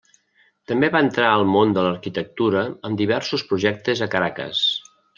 També va entrar al món de l'arquitectura amb diversos projectes a Caracas.